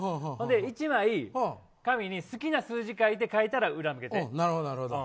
１枚紙に好きな数字書いて書いたら裏向けて。